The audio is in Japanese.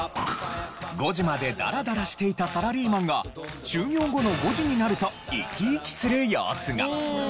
５時までダラダラしていたサラリーマンが終業後の５時になるとイキイキする様子が。